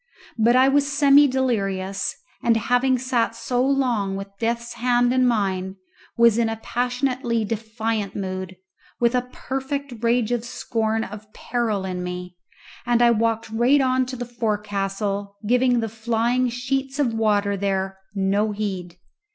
But I was semi delirious, and having sat so long with Death's hand in mine was in a passionately defiant mood, with a perfect rage of scorn of peril in me, and I walked right on to the forecastle, giving the flying sheets of water there no heed.